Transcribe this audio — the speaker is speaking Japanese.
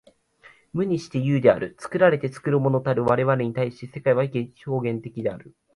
無にして有である。作られて作るものたる我々に対して、世界は表現的である。